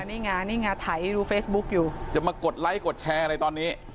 นี่ไงนี่ไงถ่ายดูเฟซบุ๊กอยู่จะมากดไลค์กดแชร์อะไรตอนนี้